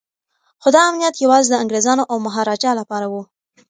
خو دا امنیت یوازې د انګریزانو او مهاراجا لپاره و.